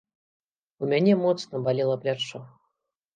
У мяне моцна балела плячо.